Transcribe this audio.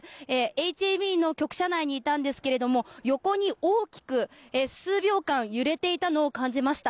ＨＡＢの局舎内にいたんですが横に大きく、数秒間揺れていたのを感じました。